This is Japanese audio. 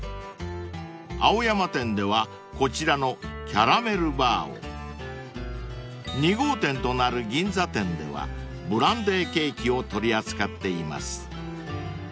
［青山店ではこちらのキャラメルバーを２号店となる銀座店ではブランデーケーキを取り扱っています］